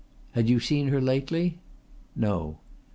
"Had you seen her lately?" "No."